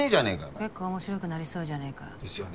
結構面白くなりそうじゃねぇか。ですよね。